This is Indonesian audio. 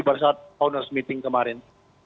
pada saat owners meeting kemarin